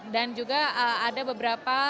dan juga ada beberapa